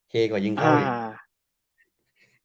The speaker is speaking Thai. เคกว่ายิงเข้าเลย